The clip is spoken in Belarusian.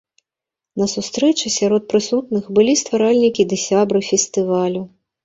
На сустрэчы сярод прысутных былі стваральнікі ды сябры фестывалю.